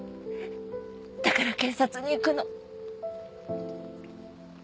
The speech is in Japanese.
だから警察に行くの。